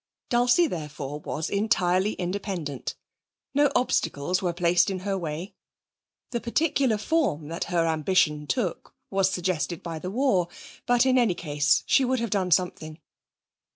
Dulcie, therefore, was entirely independent. No obstacles were placed in her way the particular form that her ambition took was suggested by the war, but in any case she would have done something.